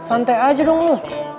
santai aja dong lu